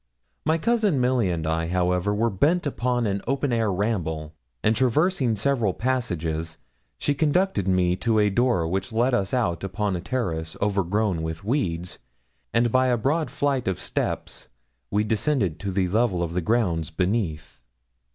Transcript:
My cousin Milly and I, however, were bent upon an open air ramble, and traversing several passages, she conducted me to a door which led us out upon a terrace overgrown with weeds, and by a broad flight of steps we descended to the level of the grounds beneath.